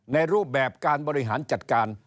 รูปแบบการบริหารจัดการ